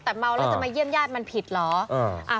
แต่เมาแล้วจะมาเยี่ยมญาติมันผิดเหรอ